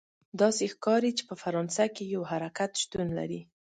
داسې ښکاري چې په فرانسه کې یو حرکت شتون لري.